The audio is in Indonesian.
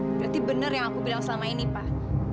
berarti benar yang aku bilang selama ini pak